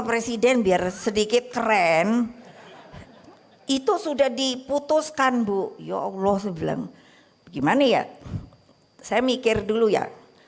presiden biar sedikit keren itu sudah diputuskan bu ya allah sebelum gimana ya saya mikir dulu ya